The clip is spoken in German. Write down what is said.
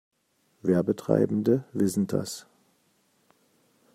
Werbetreibende wissen das.